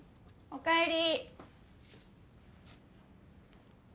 おかえり。